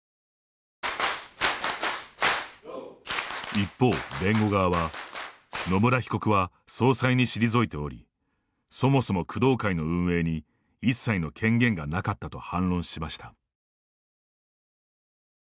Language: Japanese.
一方、弁護側は「野村被告は総裁に退いておりそもそも工藤会の運営に一切の権限がなかった」と反論しました。